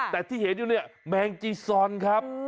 แต่ที่เห็นอยู่เนี่ยแมงจีซอนครับ